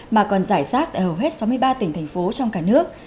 mà còn giải rác tại hầu hết sáu mươi ba tỉnh thành phố trong cả nước